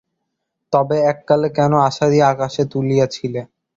তবে এককালে কেন আশা দিয়া আকাশে তুলিয়াছিলে?